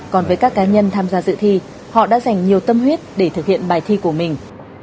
còn với các cá nhân tham gia dự thi họ đã dành nhiều tâm huyết để thực hiện bài thi của mình